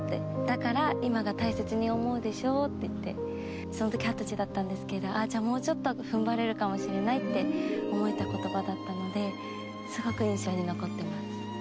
「だから今が大切に思うでしょ」って言ってそのとき二十歳だったんですけど「じゃあもうちょっとふんばれるかもしれない」って思えた言葉だったのですごく印象に残ってます。